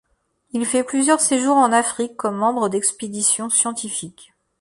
Il fait plusieurs séjours en Afrique comme membre d’expéditions scientifiques.